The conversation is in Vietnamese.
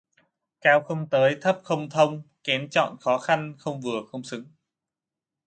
Cao không tới, thấp không thông: kén chọn khó khăn, không vừa, không xứng